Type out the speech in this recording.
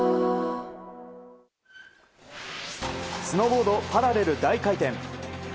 スノーボードパラレル大回転。